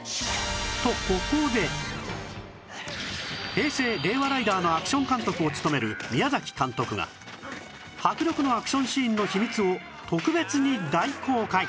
平成・令和ライダーのアクション監督を務める宮崎監督が迫力のアクションシーンの秘密を特別に大公開！